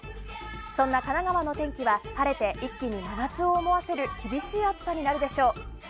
そんな神奈川の天気は晴れて一気に真夏を思わせる厳しい暑さになるでしょう。